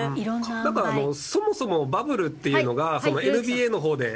だからそもそもバブルっていうのがそのＮＢＡのほうで。